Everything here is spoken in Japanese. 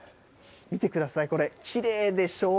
見てください、これ、きれいでしょ。